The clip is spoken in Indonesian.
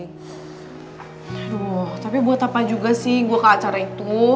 aduh tapi buat apa juga sih gue ke acara itu